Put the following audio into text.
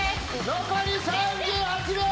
残り３８秒！